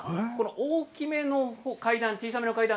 大きめの階段と小さめの階段